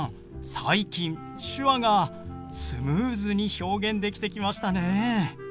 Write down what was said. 最近手話がスムーズに表現できてきましたね。